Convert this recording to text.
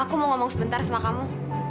aku mau ngomong sebentar sama kamu